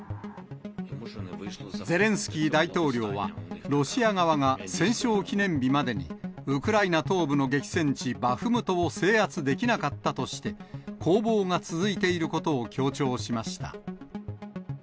ゼレンスキー大統領は、ロシア側が戦勝記念日までにウクライナ東部の激戦地、バフムトを制圧できなかったとして、攻防が続いていることを強調しました。